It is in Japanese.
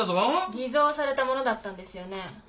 偽造されたものだったんですよね？